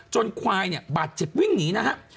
จนควายบาดเจ็บวิ่งหนีนะครับ